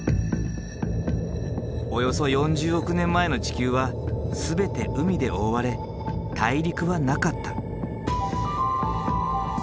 およそ４０億年前の地球は全て海で覆われ大陸はなかった。